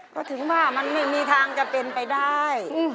ก็ถึงว่ามันไม่มีทางจะเป็นไปได้